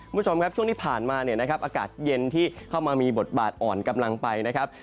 คุณผู้ชมครับช่วงที่ผ่านมาเนี่ยนะครับอากาศเย็นที่เข้ามามีบทบาทอ่อนกำลังไปนะครับ